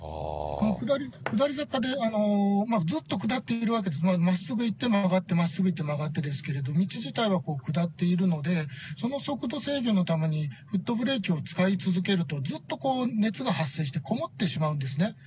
下り坂でずっと下っているわけで、まっすぐ行って曲がって、まっすぐ行って曲がってですけれども、道自体は下っているので、その速度制御のために、フットブレーキを使い続けると、ずっと熱が発生して、こもってしまうんですね。